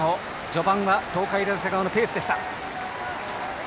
序盤は東海大菅生のペースでした。